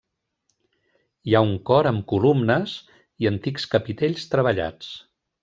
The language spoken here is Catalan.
Hi ha un cor amb columnes i antics capitells treballats.